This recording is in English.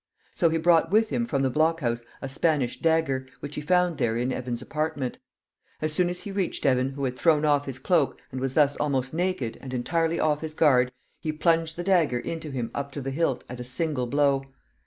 So he brought with him from the block house a Spanish dagger, which he found there in Evan's apartment. As soon as he reached Evan, who had thrown off his cloak, and was thus almost naked and entirely off his guard, he plunged the dagger into him up to the hilt at a single blow.